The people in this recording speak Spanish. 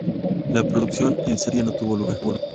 La producción en serie no tuvo lugar.